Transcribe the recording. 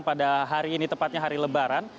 pada hari ini tepatnya hari lebaran